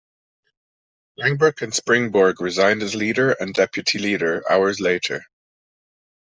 Langbroek and Springborg resigned as leader and deputy leader hours later.